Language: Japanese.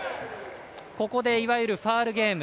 ここでいわゆるファウルゲーム。